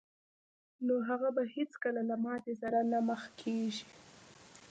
نو هغه به هېڅکله له ماتې سره نه مخ کېږي